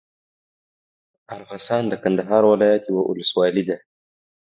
ارغسان د کندهار ولايت یوه اولسوالي ده.